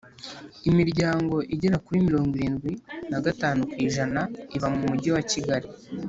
imiryango igera kuri mirongo irindwi na gatanu ku ijana iba mu mujyi wa kigali